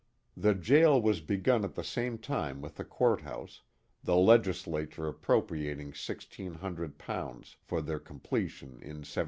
The jail was begun at the same time with the court house, the legislature appropriating sixteen hundred pounds for their completion in 1774.